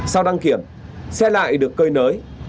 sau đăng kiểm xe lại được cơi nới